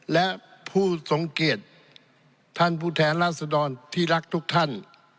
และผู้ทรงเกียจท่านผู้แทนราษดรที่รักทุกท่าน